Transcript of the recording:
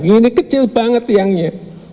ini kecil banget tiangnya